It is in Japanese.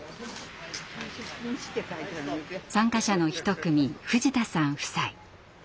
参加者の一組藤田さん夫妻。